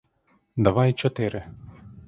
— Давай чотири!